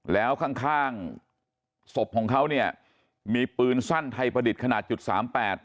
แล้วข้างข้างศพของเขาเนี่ยมีปืนสั้นไทยประดิษฐ์ขนาดจุดสามแปด